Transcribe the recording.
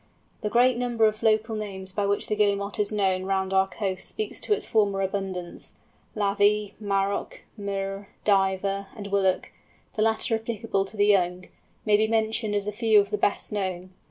The great number of local names by which the Guillemot is known round our coasts speak to its former abundance; Lavy, Marrock, Murre, Diver, and Willock—the latter applicable to the young—may be mentioned as a few of the best known.